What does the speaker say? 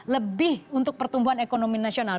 lebih untuk pertumbuhan ekonomi nasional